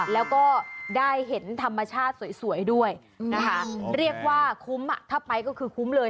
แล้วก็ได้เห็นธรรมชาติสวยด้วยนะคะเรียกว่าคุ้มถ้าไปก็คือคุ้มเลย